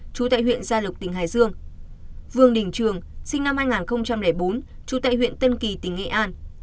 chú tại huyện gia lộc tỉnh hải dương vương đình trường sinh năm hai nghìn bốn trú tại huyện tân kỳ tỉnh nghệ an